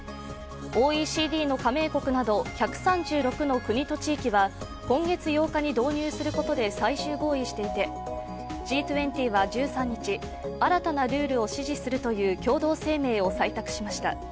ＯＥＣＤの加盟国など１３６の国と地域は今月８日に導入することで最終合意していてＧ２０は１３日新たなルールを支持するという共同声明を採択しました。